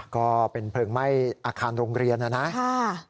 ก็เป็นเพลิงไหม้อาคารโรงเรียนนะครับ